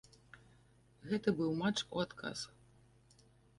Гэта быў матч у адказ.